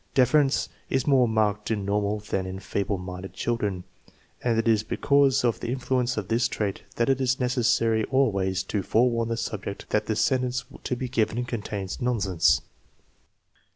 Deference is more marked in normal than in feeble minded children, and it is because of the influence of this trait that it is necessary always to forewarn the subject that the sentence to be given contains nonsense.